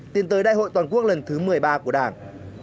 tiến tới đại hội toàn quốc lần thứ một mươi ba của đảng